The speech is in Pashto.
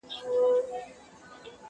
چي ونه کړي یو له بل سره جنګونه،